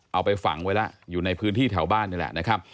เอาไปฝังไว้แล้วอยู่ในพื้นที่แถวบ้านนี่แหละนะครับ